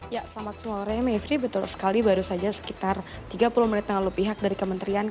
ya selamat sore mevri betul sekali baru saja sekitar tiga puluh menit tengah lupihak dari kementerian keuangan